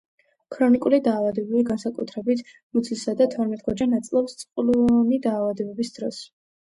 ქრონიკული დაავადებები, განსაკუთრებით, მუცლისა და თორმეტგოჯა ნაწლავის წყლულოვანი დაავადების დროს.